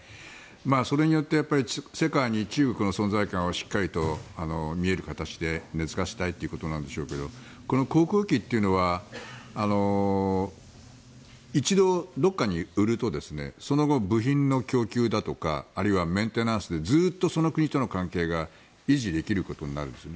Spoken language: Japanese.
それによって世界に中国の存在感をしっかりと見える形で根付かせたいということなんでしょうけど航空機というのは一度、どこかに売るとその後、部品の供給だとかあるいはメンテナンスでずっとその国との関係が維持できることになるんですね